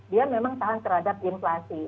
dia memang tahan terhadap inflasi